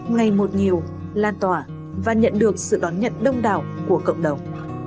ngày một nhiều lan tỏa và nhận được sự đón nhận đông đảo của cộng đồng